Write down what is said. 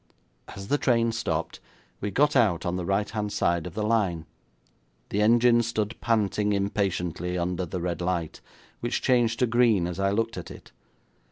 As the train stopped, we got out on the right hand side of the line. The engine stood panting impatiently under the red light, which changed to green as I looked at it.